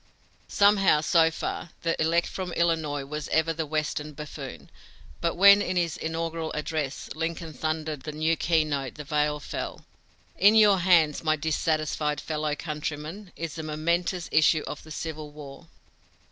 Somehow, so far, the elect from Illinois was ever the Western buffoon. But when, in his inaugural address, Lincoln thundered the new keynote, the veil fell: "In your hands, my dissatisfied fellow countrymen, is the momentous issue of the Civil War."